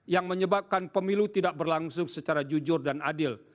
yang menyebabkan pemilu tidak berlangsung secara jujur dan adil